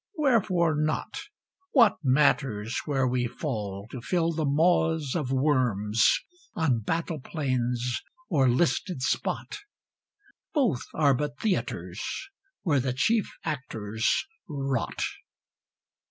Wherefore not? What matters where we fall to fill the maws Of worms on battle plains or listed spot? Both are but theatres where the chief actors rot.